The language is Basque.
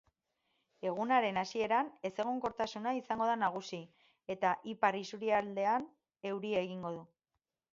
Egunaren hasieran ezegonkortasuna izango da nagusi, eta ipar isurialdean euria egingo du.